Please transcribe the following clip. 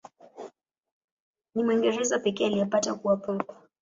Ni Mwingereza pekee aliyepata kuwa Papa.